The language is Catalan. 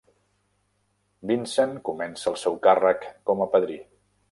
Vincent comença el seu càrrec com a padrí.